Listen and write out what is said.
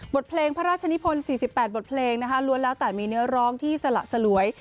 บทเพลงพระราชนิพล๔๘บทเพลงนะคะล้วนแล้วแต่มีเนื้อร้องที่สละสลวย